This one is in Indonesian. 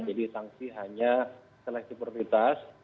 jadi sanksi hanya seleksi prioritas